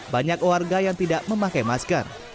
banyak warga yang tidak memakai masker